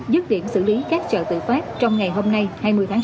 dứt điểm xử lý các chợ tự phát trong ngày hôm nay hai mươi tháng chín